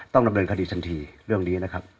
ต้องดำเนินคดีทันที